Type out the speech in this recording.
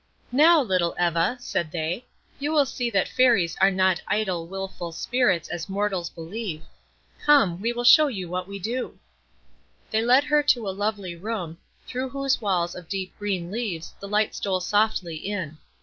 "Now, little Eva," said they, "you will see that Fairies are not idle, wilful Spirits, as mortals believe. Come, we will show you what we do." They led her to a lovely room, through whose walls of deep green leaves the light stole softly in.